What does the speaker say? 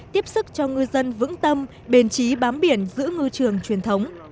tiếp sức cho ngư dân vững tâm bền trí bám biển giữ ngư trường truyền thống